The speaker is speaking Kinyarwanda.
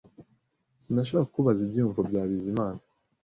Sinashakaga kubabaza ibyiyumvo bya Bizimana